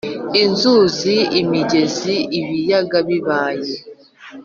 Inzuzi imigezi ibiyaga ibibaya